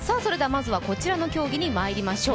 まずはこちらの競技にまいりましょう。